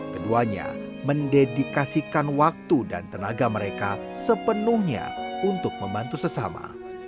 keduanya mendedikasikan waktu dan tenaga mereka sepenuhnya untuk membantu sesama